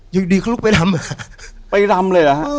อย่างดีเขารูกไปรำไปรำเลยหรอฮะเออ